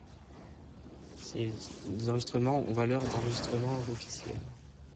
Ces enregistrements ont valeur d'enregistrements officiels.